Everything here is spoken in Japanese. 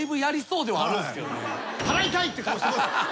払いたいって顔してます。